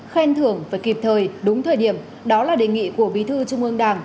khen thưởng và kịp thời đúng thời điểm đó là đề nghị của bí thư trung ương đảng